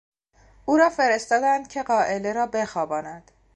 او را فرستادند که غائله را بخواباند.